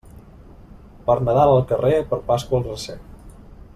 Per Nadal al carrer, per Pasqua al recer.